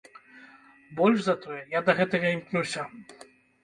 Больш за тое, я да гэтага імкнуся!